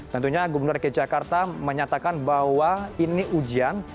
tentunya gubernur dki jakarta menyatakan bahwa ini ujian